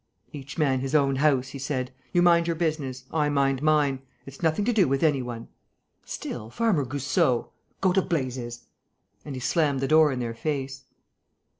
"Each man his own house," he said. "You mind your business. I mind mine. It's nothing to do with any one." "Still, Farmer Goussot...." "Go to blazes!" And he slammed the door in their face.